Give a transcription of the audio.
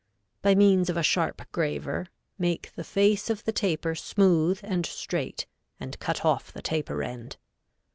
By means of a sharp graver, make the face of the taper smooth and straight, and cut off the taper end.